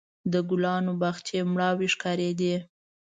د ګلانو باغچې مړاوې ښکارېدې.